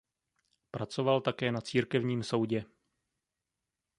Pracoval také na církevním soudě.